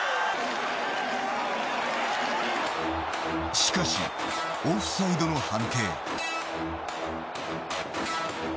しかしオフサイドの判定。